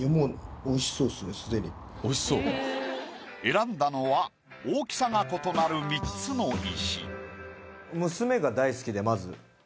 すでに選んだのは大きさが異なる３つの石。